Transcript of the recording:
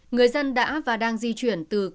người dân đã và đang di chuyển từ các tỉnh